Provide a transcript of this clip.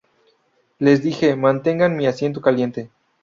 Les dije: 'Mantenga mi asiento caliente'".